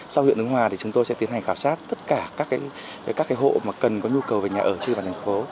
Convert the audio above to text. sau huyện ứng hòa thì chúng tôi sẽ tiến hành khảo sát tất cả các hộ mà cần có nhu cầu về nhà ở trên địa bàn thành phố